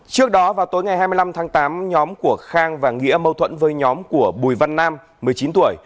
trước đó vào tối ngày hai mươi năm tháng tám nhóm của khang và nghĩa mâu thuẫn với nhóm của bùi văn nam một mươi chín tuổi